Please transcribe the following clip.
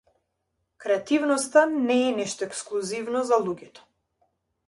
Креативноста не е нешто ексклузивно за луѓето.